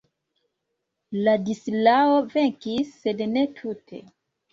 Ladislao venkis, sed ne tute.